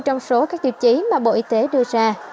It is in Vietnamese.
trong số các tiêu chí mà bộ y tế đưa ra